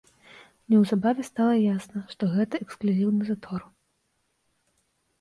Неўзабаве стала ясна, што гэта эксклюзіўны затор.